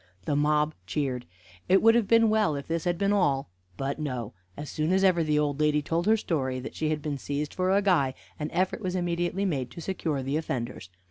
The mob cheered. It would have been well if this had been all, but no: as soon as ever the old lady told her story that she had been seized for a guy, an effort was immediately made to secure the offenders.